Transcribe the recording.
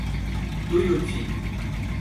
Tuiuti